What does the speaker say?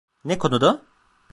Ne konuda?